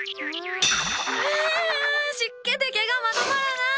湿気で毛がまとまらない！